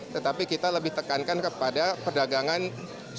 tetapi kita lebih tekankan kepada perdagangan sampah